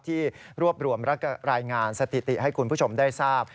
ที่รวบรวมและรายงานสถิติให้คุณผู้ชมได้ทราบ